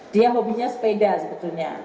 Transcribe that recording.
dia hobinya sepeda sebetulnya